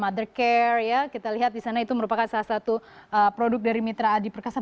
mother care ya kita lihat di sana itu merupakan salah satu produk dari mitra adi perkasa